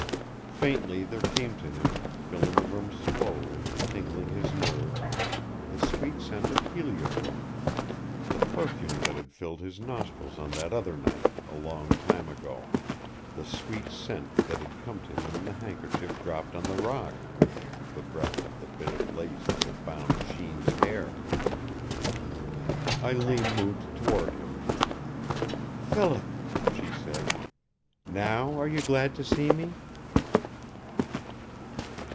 Faintly there came to him, filling the room slowly, tingling his nerves, the sweet scent of heliotrope the perfume that had filled his nostrils on that other night, a long time ago, the sweet scent that had come to him in the handkerchief dropped on the rock, the breath of the bit of lace that had bound Jeanne's hair! Eileen moved toward him. "Philip," she said, "now are you glad to see me?"